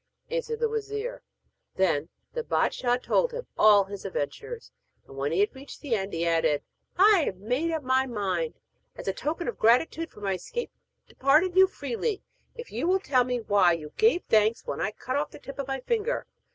answered the wazir. Then the bâdshah told him all his adventures. And when he had reached the end he added: 'I have made up my mind, as a token of gratitude for my escape, to pardon you freely, if you will tell me why you gave thanks when I cut off the tip of my finger.'